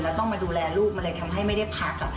แล้วต้องมาดูแลลูกมันเลยทำให้ไม่ได้พัก